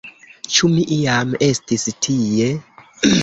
Ĉu mi iam estis tie?